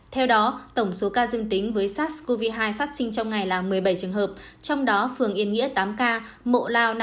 theo đó tổng số ca dương tính với sars cov hai phát sinh trong ngày là một mươi bảy trường hợp trong đó phường yên nghĩa tám ca mộ lao